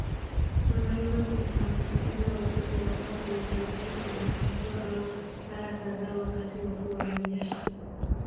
Wanaweza kumwaambukiza watoto wakati wa ujauzito kujifungua au mara kadhaa wakati wa kuwanyonyesha